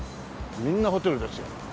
みんなホテルですよ。